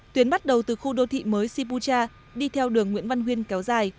tuyến bắt đầu từ khu đô thị mới sipucha đi theo đường nguyễn văn huyên kéo dài